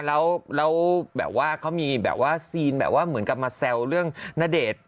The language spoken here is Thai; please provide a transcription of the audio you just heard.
แล้วแบบว่าเขามีแบบว่าซีนแบบว่าเหมือนกับมาแซวเรื่องณเดชน์